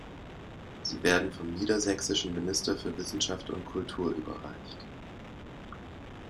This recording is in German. Sie werden vom Niedersächsischen Minister für Wissenschaft und Kultur überreicht.